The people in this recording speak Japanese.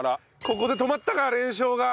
ここで止まったか連勝が。